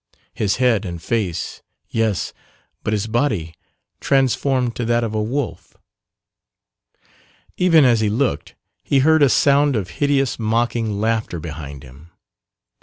His head and face, yes; but his body transformed to that of a wolf. Even as he looked he heard a sound of hideous mocking laughter behind him.